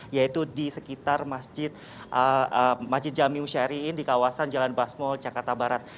yaitu di sekitar masjid jami musyari'in di kawasan jalan basmul jakarta barat